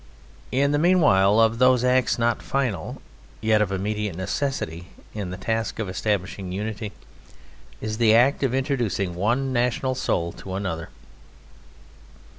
In the meanwhile, of those acts not final, yet of immediate necessity in the task of establishing unity, is the act of introducing one national soul to another.